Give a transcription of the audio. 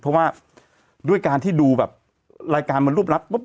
เพราะว่าด้วยการที่ดูรายการมารูปรับ